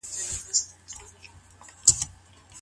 که ښځه د اجورې عيب لرونکی کار ونيسي څه کيږي؟